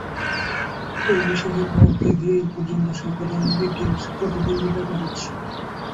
অভিষেকের পর থেকে এ পর্যন্ত সকল অলিম্পিক গেমসে প্রতিদ্বন্দ্বিতা করেছে।